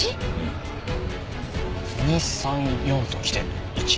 ２３４ときて１。